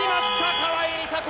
川井梨紗子。